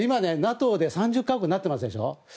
今、ＮＡＴＯで３０か国になってますでしょ。